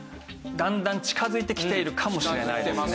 だんだん近づいてきているかもしれないですね。